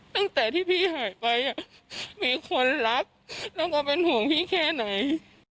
ตั้งแต่ที่พี่หายไปมีคนรักแล้วก็เป็นห่วงพี่แค่ไหน